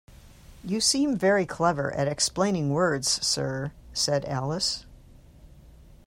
‘You seem very clever at explaining words, Sir,’ said Alice.